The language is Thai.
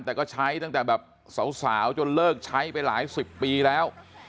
แต่ก็ใช้ตั้งแต่แบบสาวจนเลิกใช้ไปหลายสิบปีแล้ว